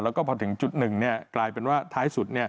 แล้วก็พอถึงจุดหนึ่งกลายเป็นว่าท้ายสุด